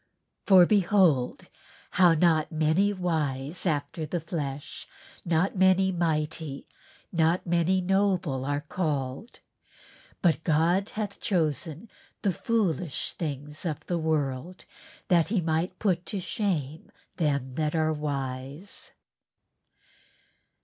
"For behold .... how that not many wise after the flesh, not many mighty, not many noble are called. But God hath chosen the foolish things of the world that he might put to shame them that are wise."